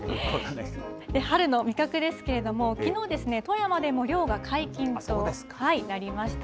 春の味覚ですけれども、きのう、富山でも漁が解禁となりました。